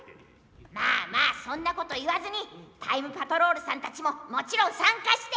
まあまあそんなこと言わずにタイムパトロールさんたちももちろん参加して！